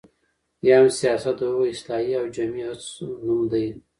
یا هم سياست د هغو اصلاحي او جمعي هڅو نوم دی،